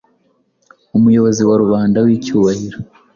Umuyobozi-wa rubanda wicyubahiro